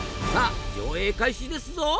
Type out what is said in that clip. さあ上映開始ですぞ！